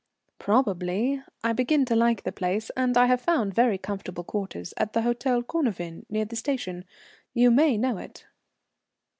"Probably. I begin to like the place, and I have found very comfortable quarters at the Hôtel Cornavin, near the station. You may know it."